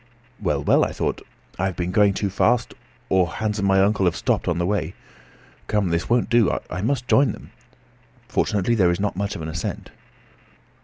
Well, well, I thought; I have been going too fast, or Hans and my uncle have stopped on the way. Come, this won't do; I must join them. Fortunately there is not much of an ascent.